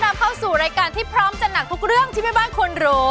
นำเข้าสู่รายการที่พร้อมจัดหนักทุกเรื่องที่แม่บ้านควรรู้